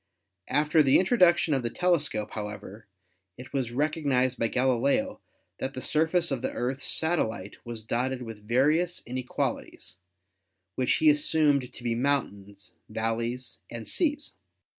After the introduction of the telescope, however, it was recog nised by Galileo that the surface of the Earth's satellite was dotted with various inequalities, which he assumed to be mountains, valleys and seas.